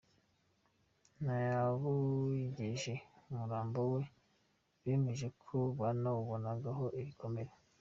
N’abogeje umurambo we bemeje ko banawubonagaho ibikomere.